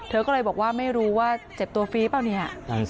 เธอก็เลยบอกว่าไม่รู้ว่าเจ็บตัวฟรีเปล่าเนี่ย